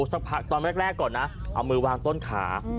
ครูตอนแรกก่อนนะเอามือวางต้นขา